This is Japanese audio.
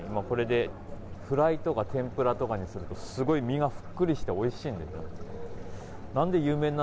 これ、フライとか天ぷらとかにすると、すごい身がふっくりしておいしいんですね。